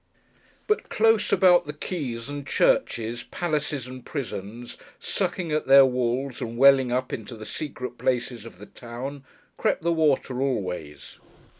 But close about the quays and churches, palaces and prisons sucking at their walls, and welling up into the secret places of the town: crept the water always.